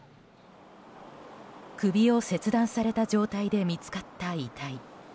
首を切断された状態で見つかった遺体。